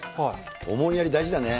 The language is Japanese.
思いやり大事だね。